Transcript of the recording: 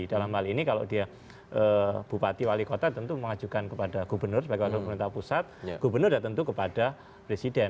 dalam hal ini kalau dia bupati wali kota tentu mengajukan kepada gubernur sebagai wakil pemerintah pusat gubernur dan tentu kepada presiden